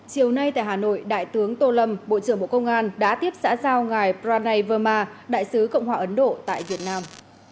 chiều nay tại hà nội đại tướng tô lâm bộ trưởng bộ công an đã tiếp xã giao ngài pranay verma đại sứ cộng hòa ấn độ tại việt nam